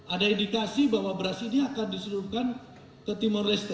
ada indikasi bahwa beras ini akan diseluruhkan ke timur leste